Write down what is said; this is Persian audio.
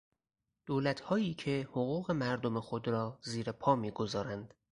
دولتهایی که حقوق مردم خود را زیر پا میگذارند